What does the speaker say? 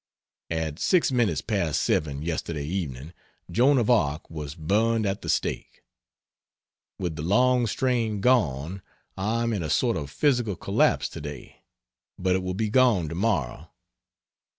At 6 minutes past 7, yesterday evening, Joan of Arc was burned at the stake. With the long strain gone, I am in a sort of physical collapse today, but it will be gone tomorrow.